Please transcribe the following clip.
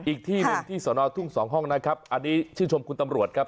อีกที่หนึ่งที่สอนอทุ่งสองห้องนะครับอันนี้ชื่นชมคุณตำรวจครับ